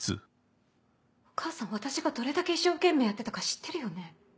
お母さん私がどれだけ一生懸命やってたか知ってるよね？